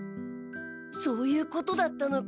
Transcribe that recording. そういうことだったのか。